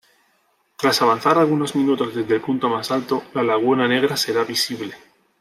Tras avanzar algunos minutos desde el punto más alto, la Laguna Negra será visible.